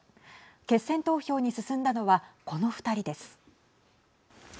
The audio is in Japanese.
決選投票に進んだのはこの２人です。